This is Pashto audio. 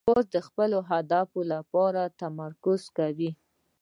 باز د خپل هدف لپاره تمرکز کوي